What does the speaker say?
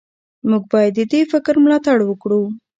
موږ باید د دې فکر ملاتړ وکړو.